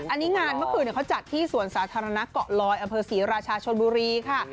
อันนี้งานเมื่อคืนเขาจัดที่สวนสาธารณะเกาะลอยอำเภอศรีราชาชนบุรีค่ะ